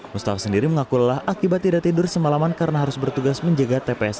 mustafa sendiri mengakulah akibat tidak tidur semalaman karena harus bertugas menjaga tps satu